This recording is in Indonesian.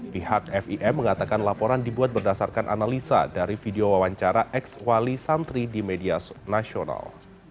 pihak fim mengatakan laporan dibuat berdasarkan analisa dari video wawancara ex wali santri di media nasional